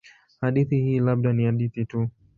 Hadithi hii labda ni hadithi tu.